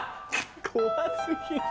怖過ぎる。